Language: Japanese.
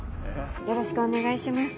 よろしくお願いします。